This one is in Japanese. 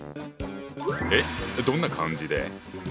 えっどんな漢字で？